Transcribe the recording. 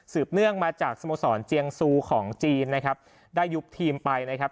เนื่องมาจากสโมสรเจียงซูของจีนนะครับได้ยุบทีมไปนะครับ